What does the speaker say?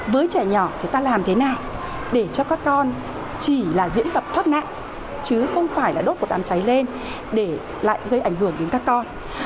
với trẻ nhỏ thì ta làm thế nào để cho các con chỉ là diễn tập thoát nạn chứ không phải là đốt của đám cháy lên để lại gây ảnh hưởng đến các con